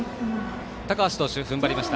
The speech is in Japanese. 高橋投手、ふんばりました。